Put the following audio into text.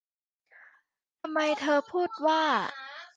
'ทำไมเธอถึงพูดว่า'